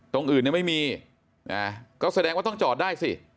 ตรงอื่นยังไม่มีก็แสดงว่าต้องจอดได้สิ